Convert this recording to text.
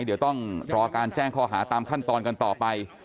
เดี๋ยวต้องรอการแจ้งข้อหาตามขั้นตอนกันต่อไป